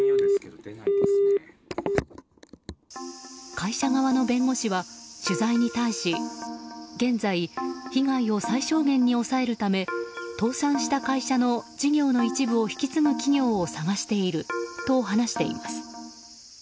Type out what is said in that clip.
会社側の弁護士は取材に対し現在、被害を最小限に抑えるため倒産した会社の事業の一部を引き継ぐ企業を探していると話しています。